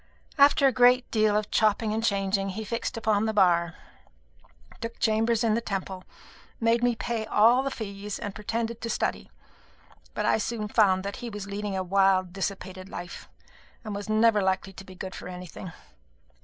After a great deal of chopping and changing, he fixed upon the Bar, took chambers in the Temple, made me pay all the fees, and pretended to study. But I soon found that he was leading a wild dissipated life, and was never likely to be good for anything.